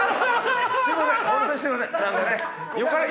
すいません